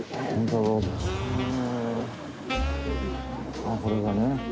ああこれがね。